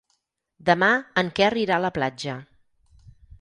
Demà en Quer irà a la platja.